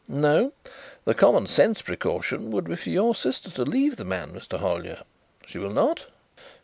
No. ... The common sense precaution would be for your sister to leave the man, Mr. Hollyer. She will not?"